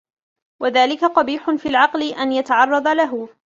وَذَلِكَ قَبِيحٌ فِي الْعَقْلِ أَنْ يَتَعَرَّضَ لَهُ